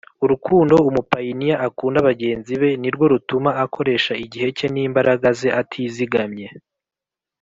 Urukundo umupayiniya akunda bagenzi be ni rwo rutuma akoresha igihe cye n imbaraga ze atizigamye